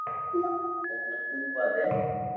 اوني ھووا دي